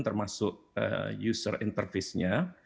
termasuk user interface nya